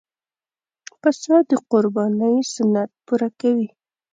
پسه د قربانۍ سنت پوره کوي.